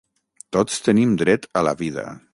Tots tenim dret a la vida.